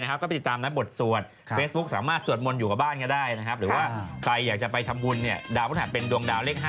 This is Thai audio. ก็ขึ้นอุดมสมูรอุ๊ยมากกว่านี้ก็กางเกงแตก